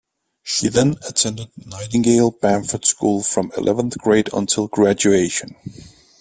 She then attended the Nightingale-Bamford Schooll from eleventh grade until her graduation.